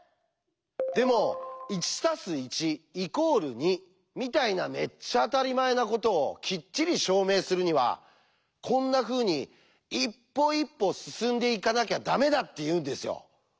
でも「１＋１＝２」みたいなめっちゃ当たり前なことをきっちり証明するにはこんなふうに一歩一歩進んでいかなきゃダメだっていうんですよ。